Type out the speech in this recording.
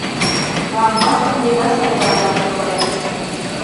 Лампадке еда сорта-влак йӱлат.